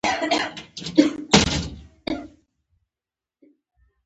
دوی به د عادي خلکو ژوند ته خوښي راوستله.